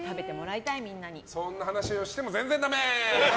そんな話をしても全然ダメ！